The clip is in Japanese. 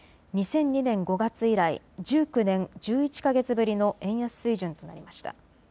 ２００２年５月以来、１９年１１か月ぶりの円安水準となりました。